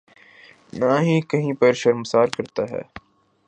نہ ہی کہیں پر شرمسار کرتا ہے۔